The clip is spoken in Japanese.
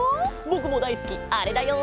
ぼくもだいすきあれだよ。